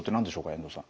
遠藤さん。